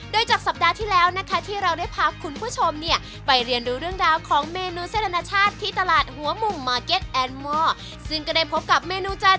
โดยจากสัปดาห์ที่แล้วนะคะที่เราได้พาคุณผู้ชมเนี่ยไปเรียนรู้เรื่องดาวน์ของเมนูเส้นอาณาชาติที่ตลาดหัวหมุม